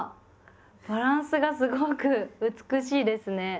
バランスがすごく美しいですね。